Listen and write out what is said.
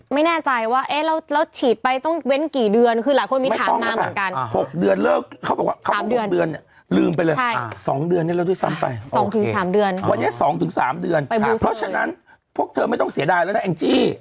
ไม่แน่ใจว่าเราฉีดไฟเซอร์ไปต้องเว้น